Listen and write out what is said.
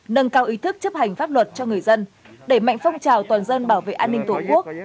nâng cao ý thức chấp hành pháp luật cho người dân đẩy mạnh phong trào toàn dân bảo vệ an ninh tổ quốc